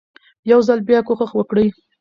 يو ځل بيا کوښښ وکړئ